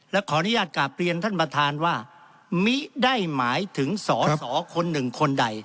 และขออนุญาตกลับเรียนท่านประธานว่ามิได้หมายถึงสอสอคนหนึ่งคนใด